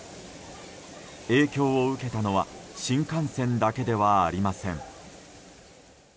影響を受けたのは新幹線だけではありません。